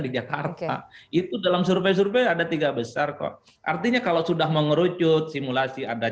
di jakarta itu dalam survei survei ada tiga besar kok artinya kalau sudah mengerucut simulasi ada